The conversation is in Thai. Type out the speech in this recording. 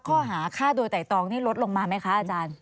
ข้อหาฆ่าโดยไต่ตองนี่ลดลงมาไหมคะอาจารย์